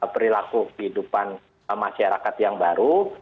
perilaku kehidupan masyarakat yang baru